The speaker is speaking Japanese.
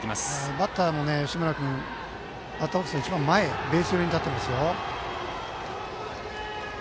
バッターの吉村君はバッターボックスの一番前ベース寄りに立っていますよ。